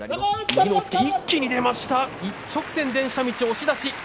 一気に出ました、一直線電車道の押し出し。